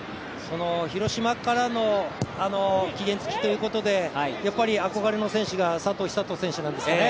広島からの期限付きということで、やっぱり、憧れの選手が佐藤寿人選手なんですよね。